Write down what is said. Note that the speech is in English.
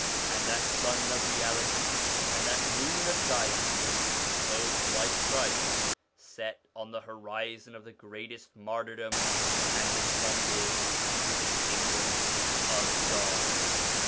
And that Sun of Reality, and that Moon of Guidance, 1 both, like Christ, set on the horizon of the greatest martyrdom and ascended to the Kingdom of God.